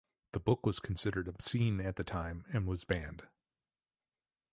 The book was considered obscene at the time and was banned.